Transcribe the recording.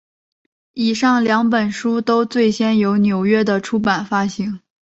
以上两本书都最先由纽约的出版发行。